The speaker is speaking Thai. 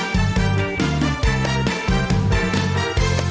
สวัสดีค่ะ